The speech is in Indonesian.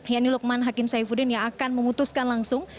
yani lukman hakim saifuddin yang akan memutuskan langsung